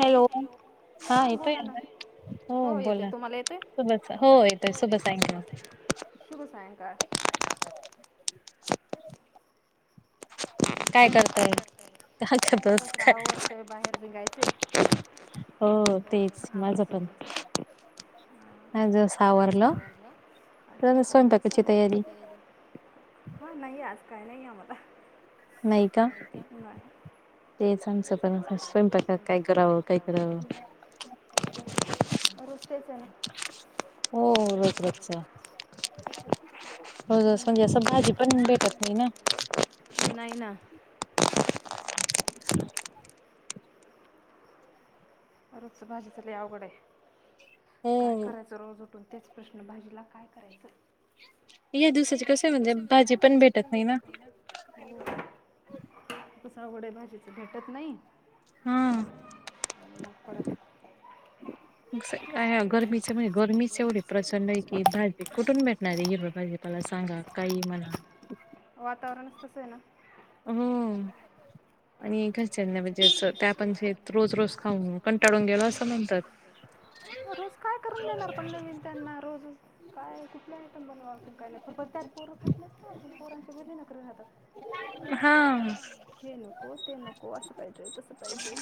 Hello हा येतोय ना हो बोला सु हो येतोय सुब सायंकाळ काय करता करतय काय नाहीस आवतय बाहेर गायचे आवरत हा नाही आज काही नाही आम्हाला नाही का [unintelligible] हो रोज रोजचं नाही ना. रोजच भाजीच लय अवघड ये. काय करायचं रोज तेच प्रश्न भाजीला काय करायचं या दिवसाचं कस म्हणजे भाजी पण भेटत नाही ना [unintelligible] भाजीच भेटत नाही हा. स का गरमीचे म्हणजे गरमीचे एवढे प्रचंड आहे की भाजी कुठून भेटणार आहे हिरवा भाजीपाला सांगा काही म्हणा तसं आहे ना हम्म आणि एकाच नाही म्हणजे अस त्या पण जे रोज काय करून देणार पण नवीन त्यांना रोज काय कुठल्या ब काही नाहीत त्यात पोर खात ना पोरांच्या वेली नक राहात हे नको ते नको असं पाहिजे तस पाहिजे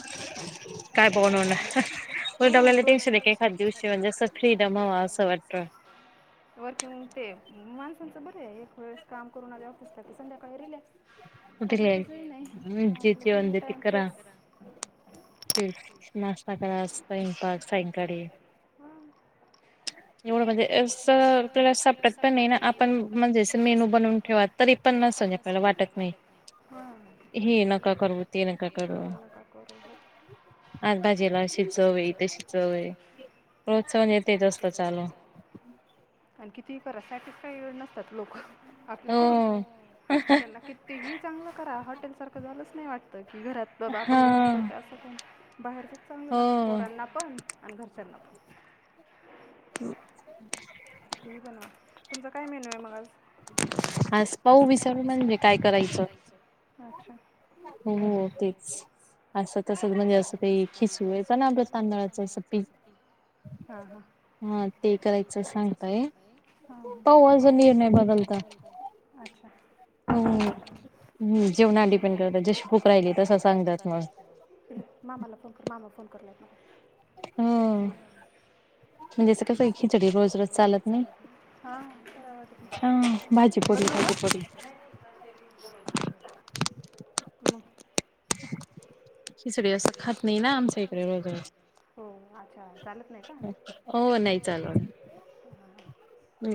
काय बोलू मग हो रोज डेली टेन्शनपेक्षा एखाद दिवस असं फ्रीडम असं वाटतं ते माणसांचं बर एक वेळेस काम करून आ ऑफिसला की संध्याकाळी रिलॅक्स आपलं तसही नाही आपलं तीघी टाईम तेच ते मस् सकाळ स्वयंपाक सायंकाळी एवढं म्हणजे असं आपला सापडत पण नाही ना आपण म्हणजे अस मेनू बनवून ठेवा तरी पण नस नाही आपल्याला वाटत नाही हे नका करवू ते नका करू आगबाजीला शिजवे इथे शिजवे प्रोत्साहन येतेत असतं चालू आणि किती करायसाठीच काही वेळ नसतात लोक आपल्याकडून त्याला कितीही चांगलं करा हॉटेल सारखं झालंच नाही वाटत घरात बाबा आपण घरात तर काय असं पण बाहेरच चांगलं लागतं पोरांना पण आणि घरच्या न प ते बनवा तुमचा काय मेनू आहे मग आज पाव‌ का करायच अच्छ हो हो तेच असं तस म्हणजे असं ते खिचू येत ना आपलं तांदळाच अस पीक हा तेठीकच सांग पाव अजून ये नाही बदलत अच्छ हम् जेवणात डिपेंड करतात जशी फूक राहिली तस सांगतात मग हां मग फोन करला मला तेच बदलू का हम् खिचडी असं खात नाही ना आमच्या इकडे रोज अच्छा चालत नाही का हो नाही चालत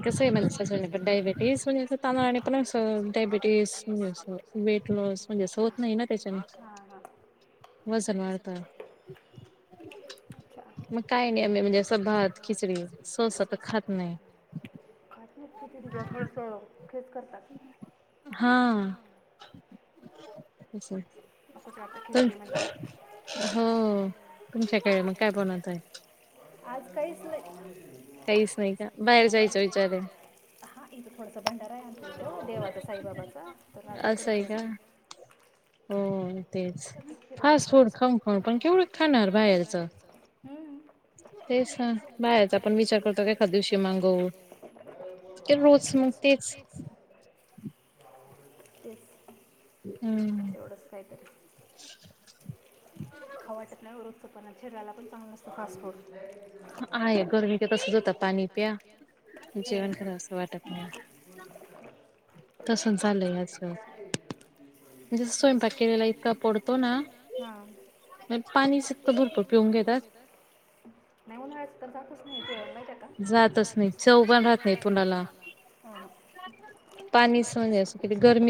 कसं आहे म्हणण डायबिटीस म्हणजे अस तानाने पण असं डायबिटीस म्हणजे अस वेट लॉस म्हणजे अस होत नाही ना त्याच्याने वजन वाढत मग काही नाही आम्ही म्हणजे असं भात खिचडी सवस तर खात नाही का नकी त थोडस हेच करतात अच्छा कु वात खिचडी म्हणजे आज काहीच हा इथं थोडस भंडारा आहे आचा इथ देवाचा साईबाबाचा तर ना तिकडच आहे म ख खाणार बाहेरच बाहेर आपण विचार करत कायदशी माग तेच तेच तेवढंच काहीतरी खा वाटत नाही वृत पण शिऱ्याला पण चांगलंसत फास्ट फूड आहे गरमीच तसच होतं पाणी प्याया जेवण खर असं वाटत नाही तस झालंय असच म्हण स्वयंपाक केलेला इतका पडतो ना पाणीचितकं भरपूर पिऊन घेतात जातच नाही जेव माहि का जातच नाही जवघण रात नाही कुणाला पाणी सग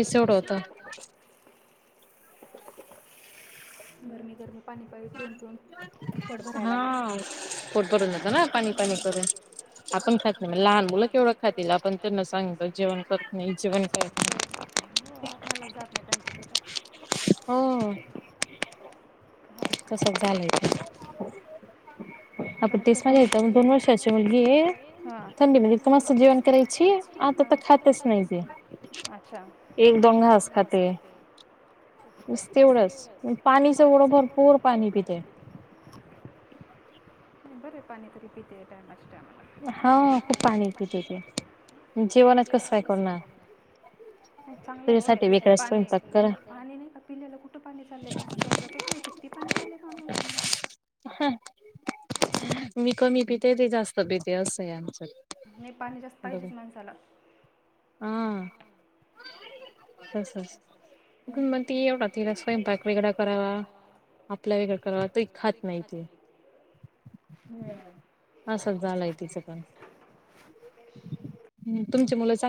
गरमी जवढतात गर मी कररम हा पोठ बरून जात ना पाणी पाणी करून आपण खात नाही म लहान मुलं केवढं खातील आपण त्यांना सांगित जेवण करत नाही जेवण करत नाही हम कसंच झालंय ते बा दोन वर्षाची मु मु पण अस जेवण करायची तर खातच नाही अ्छ एक दोन वस खाते तेवढच पाणी ज पूर पाणी पित बरं पाणी तरी पित या टामा ा जीवनाच कस आहे चांगलंय हो पाणी पाणी नाही का पिलेलं कुठं पाणी चाललंय हे समजतच नाही किती पाणी पिलेय पाम मी कमी पित ते जास्त देवसा आहेमचां म पाणीच्यास् तहीजच माणस आला मग त एवढा तिला स्वयंपाक वेगळा करावा आपला वेगळा करावा त खात नाही त अस झालाय ति सकाण ह् तुमचे मुलच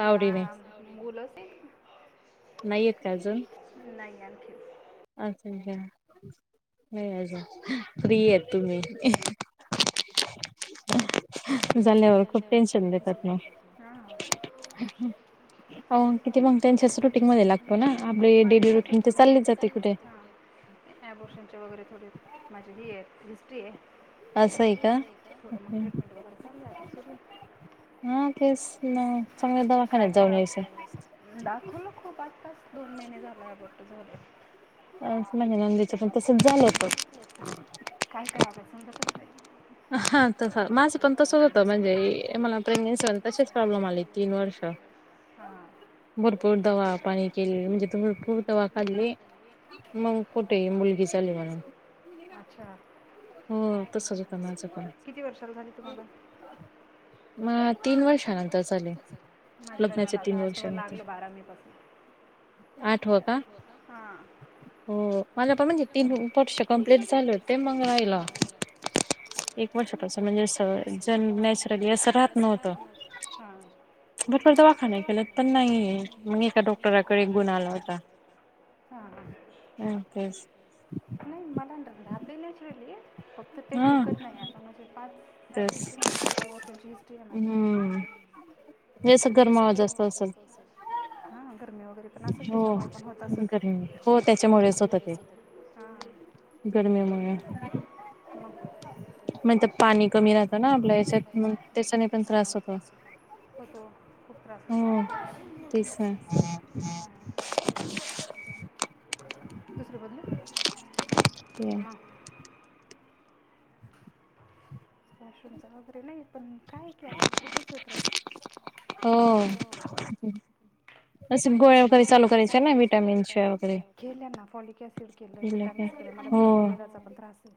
मला मुलं नाही आणखी अचछाचछा अा फ्री य तुम्ही ल्या खूपेन वगैरे थोडी माझ ष्टे असं आहे काय थोडं मग ट्रीटमेंट वगर हा केस चग दाखवलं खूप आत्ताच दोन महिने झाला आबतू झाले अम आमच्या नंदेच पण तसच झालंत त्याला बाई समजतच नाही हा तस माझं पण तसच होत म्हणजे मला प्रेग्नेन्सी तसेच प्रॉब्लेम आले तीन वर्ष भरपूर दवा पाणी केले म्हणजे भरपूर दवा खाल्ली मग कुठे, मुलगी चाली म्हणून हो तसच हो मला लग्नाच्या तीन वर्षानंतर तीन वर्ष कंप्लीट झाल ते मग राहिलं एक वर्ष म्हणजे अस जण नॅचरली असं राहत नव्हत पटफत वाखा नाही केलं पण नाही मग एका डॉक्टरकडे गुण आला होता तेच, नाही मला राहत नॅचरली फक्त ते टिकत नाही आता म्हणजे पाच काय ब्याची हस्ट माझा गर्मी वगैरे पण असेल त्याच्यामुळे पण होत अस गर्मीमुळे म त पाणी पाणी कमी राहत ना आपल्या याच्याांग त्रास होतो खूप त्रास होतो दुसर बदल क फॅशन सामग्री नाही पण काय की अशात होतो त त्रास हो गोळ्या वगैरे चालू करेचे ना विटमिन वगैरे केलं विटॅिनस केले मला थडा मळ वगाचा पण बासल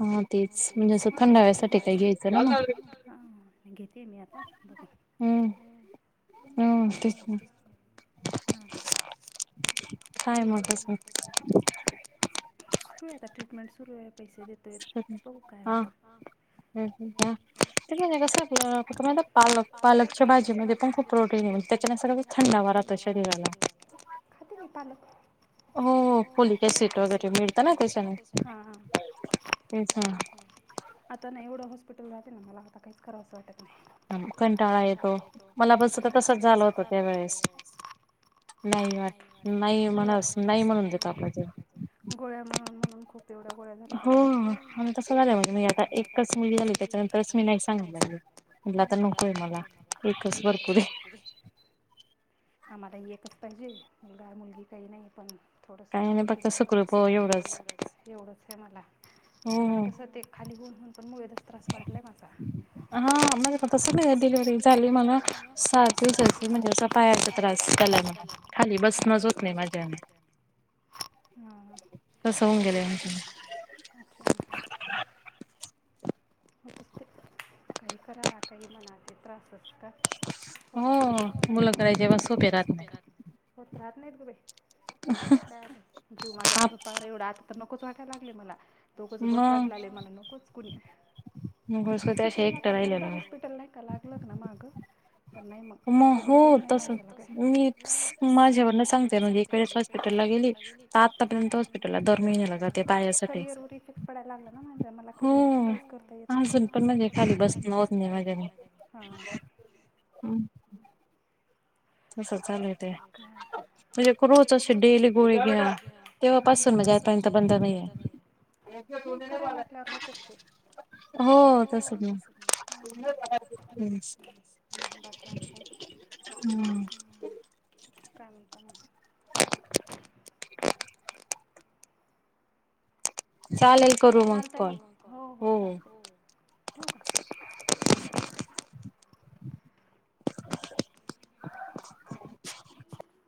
हा तेच म्हणजे असं थंडाव्यासाठी नव्या सा घ्यायचं ते मी आता बघू सुरू आहेता ट्रीटमेंट सुरू आहे पैसे देतोय त काय होत म्हणजे कस पालक पालकच्या भाजीमध्ये पण खूप प्रोटीन त्याच्याने सगळ थंडा वारा तशा दिला हो पलीिकसिट वगैरे मिळतं ना त्याच्याने तेछा नाही एवं हॉस्पिटल राहे ना मला आता काच करा असं वाटं पंटाळा येतो मला बस तसच झालं होत त्या वेळेस नाही मला नाही म्हणून आपल्या गोळ्या म्हणून खूप तेवढ्या गोळ्या झाल्यात आता झा एकच मुली झाली त्याच्यानंतरच मी नाही सांगलं म्हटलं आता नकोय मला एकच भरपूर आहे आम्हाला एकच पाहिजे मुलगा मुलगी काही नाही पण थोडंस हिशोबसं एवढंच एवढंच आहे मला आणि मला कसं ते खाली बसून सम व [unintelligible] त्रास वाढलाय माझा तस डिलीवरी झाली म्हणून खाली बसण होत नाही माझ तस होऊन गेल. अच्छा हो ते काही करा काही मनाचे त्रास होत [inaudible] हो मुलं कराय जेव्हा सोपे रा होत राह [inaudible] नाहीत ग जीव माझ तर पण एवढा आता तर ना वाटायला लागले मला तो कसं बस वाटलं आलं मला नकोच कुणी हॉस्पिटलला पण एकदा हॉस्पिटल नाही का लागल ना माग तर नाही मग सुधरतच नाही मा मी माझे सांगते हॉपटल गेली आर् हॉपटल द म करियर व इफेक्ट पडायला लागला ना माझ्या मला करियर पण काही करत [inaudible] अजून पण म्हणजे खाली बसण होत नाही माझ्यातन चा म्हणजे रोज डेली गोळी घ्या तेव्हापसून जायंत बंद नाही करायला लागल्यावर होत ते हो तस नाही बाकी आणखी [inaudible] हम्म काय म्हणतर ना चालत हो हो चालत ठेव का